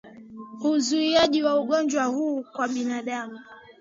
Uzuiaji wa ugonjwa huu kwa binadamu